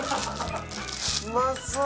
うまそう！